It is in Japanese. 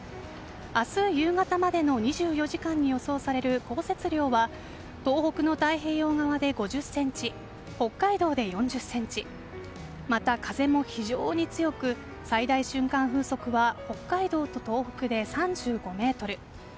明日夕方までの２４時間に予想される降雪量は東北の太平洋側で５０ｃｍ北海道で４０ｃｍまた風も非常に強く最大瞬間風速は、北海道と東北で３５メートル。